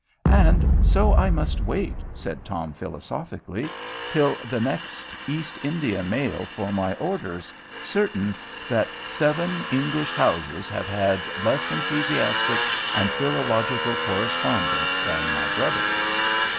"And so I must wait," said Tom philosophically, "till the next East India mail for my orders, certain that seven English houses have had less enthusiastic and philological correspondents than my brother."